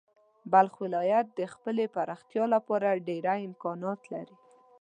بلخ ولایت د خپلې پراختیا لپاره ډېری امکانات لري.